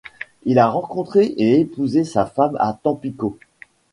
Il a rencontré et épousé sa femme à Tampico.